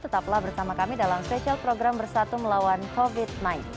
tetaplah bersama kami dalam spesial program bersatu melawan covid sembilan belas